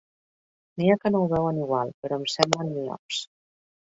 N'hi ha que no ho veuen igual, però em semblen miops.